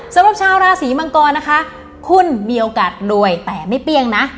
สำหรับชาวราศีมังกรนะคะคุณมีโอกาสรวยแต่ไม่เปรี้ยงนะ